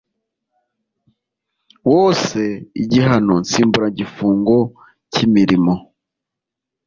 wose igihano nsimburagifungo cy imirimo